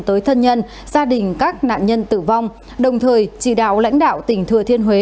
tới thân nhân gia đình các nạn nhân tử vong đồng thời chỉ đạo lãnh đạo tỉnh thừa thiên huế